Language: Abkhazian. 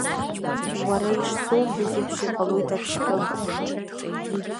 Уара ишсоуҳәаз еиԥш иҟалоит ацкы!